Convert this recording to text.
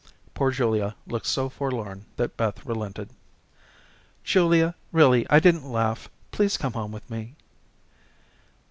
Poor Julia looked so forlorn that Beth relented. "Julia, really I didn't laugh. Please come home with me."